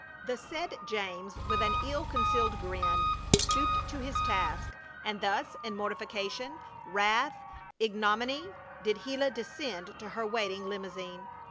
The said James, with an ill concealed grin, stooped to his task; and thus, in mortification, wrath, and ignominy, did Gila descend to her waiting limousine.